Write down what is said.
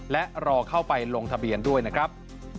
และรอเข้าไปลงทะเบียนด้วยนะครับ